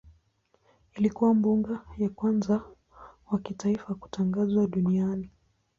Ilikuwa mbuga ya kwanza wa kitaifa kutangazwa duniani.